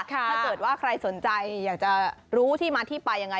ถ้าเกิดว่าใครสนใจอยากจะรู้ที่มาที่ไปยังไง